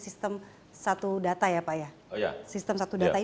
sistem satu data ya pak ya